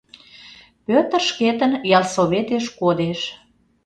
Пӧтыр шкетын ялсоветеш кодеш.